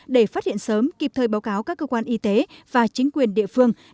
để phát hiện sớm kịp thời báo cáo các cơ quan y tế và chính quyền địa phương